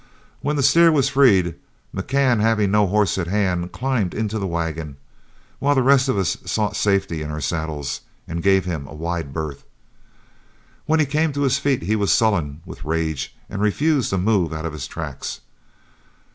When the steer was freed, McCann, having no horse at hand, climbed into the wagon, while the rest of us sought safety in our saddles, and gave him a wide berth. When he came to his feet he was sullen with rage and refused to move out of his tracks.